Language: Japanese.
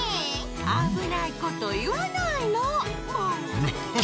あぶないこといわないのもう。